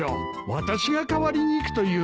私が代わりに行くというのは。